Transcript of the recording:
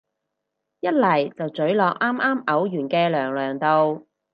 一嚟就咀落啱啱嘔完嘅娘娘度